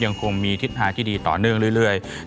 ยังคงมีทิศทางที่ดีต่อเนื่องเรื่อย